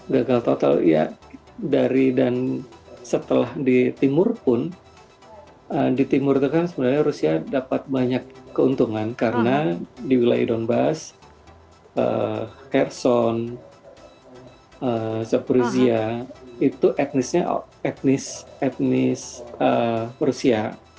gagal total ya dari dan setelah di timur pun di timur itu kan sebenarnya rusia dapat banyak keuntungan karena di wilayah donbass kherson zaporizhia itu etnisnya etnis etnis rusia